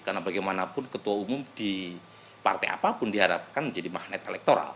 karena bagaimanapun ketua umum di partai apapun diharapkan menjadi magnet elektoral